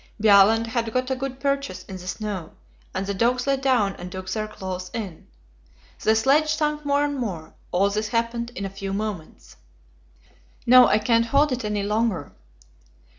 Bjaaland had got a good purchase in the snow, and the dogs lay down and dug their claws in. The sledge sank more and more all this happened in a few moments. "Now I can't hold it any longer."